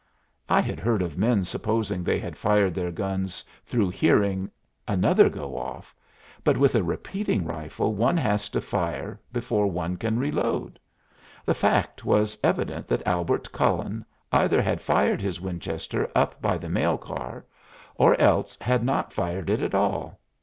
I had heard of men supposing they had fired their guns through hearing another go off; but with a repeating rifle one has to fire before one can reload. The fact was evident that Albert Cullen either had fired his Winchester up by the mail car, or else had not fired it at all.